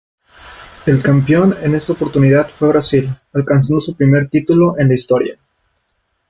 El campeón en esta oportunidad fue Brasil, alcanzando su primer título en la historia.